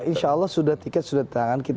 insya allah sudah tiket sudah di tangan